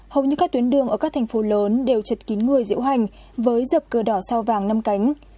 hầu như các tuyến đường ở các thành phố lớn đều chật kín người diễu hành với dập cờ đỏ sao vàng năm cánh